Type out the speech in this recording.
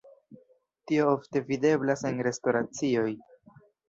Tio ofte videblas en restoracioj.